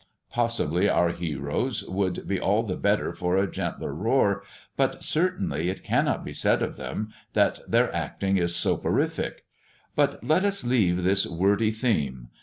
Possibly our heroes would be all the better for a gentler roar, but certainly it cannot be said of them, that their acting is soporific. But let us leave this wordy theme!